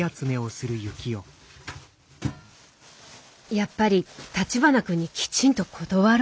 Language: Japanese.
やっぱり橘君にきちんと断ろう。